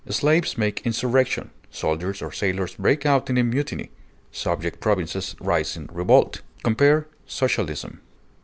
Slaves make insurrection; soldiers or sailors break out in mutiny; subject provinces rise in revolt. Compare SOCIALISM.